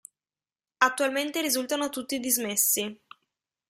Attualmente risultano tutti dismessi.